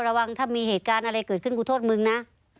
ระวังถ้ามีเหตุการณ์อะไรเกิดขึ้นกูโทษมึงนะ